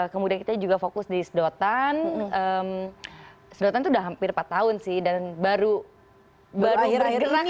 kemudian kita juga fokus di sedotan sedotan itu sudah hampir empat tahun sih dan baru bergerang gerang